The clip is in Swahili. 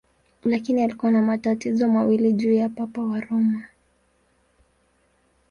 Lakini alikuwa na matatizo mawili juu ya Papa wa Roma.